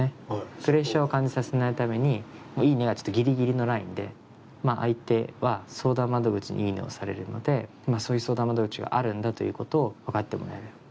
プレッシャーを感じさせないために、いいねがギリギリのラインで相手は相談窓口にインするのでいいねをされるのでそういう相談窓口があるんだということを分かってもらえる。